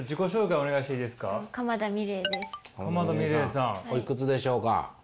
おいくつでしょうか？